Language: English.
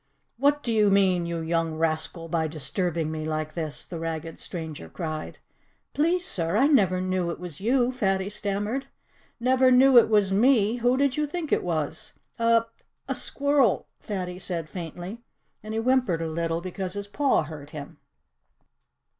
"What do you mean, you young rascal, by disturbing me like this?" the ragged stranger cried. "Please, sir, I never knew it was you," Fatty stammered. "Never knew it was me! Who did you think it was?" "A a squirrel!" Fatty said faintly. And he whimpered a little, because his paw hurt him.